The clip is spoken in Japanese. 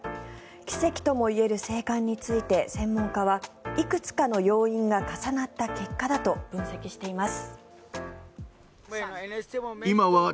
奇跡ともいえる生還について専門家はいくつかの要因が重なった結果だと分析しています。